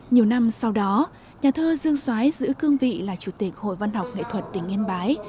nhiều năm sau đó nhà thơ dương xoái giữ cương vị là chủ tịch hội văn học nghệ thuật tỉnh yên bái